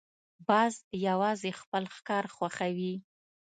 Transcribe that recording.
باز یوازې خپل ښکار خوښوي